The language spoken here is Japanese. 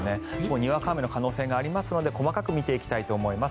にわか雨の可能性がありますので細かく見ていきたいと思います。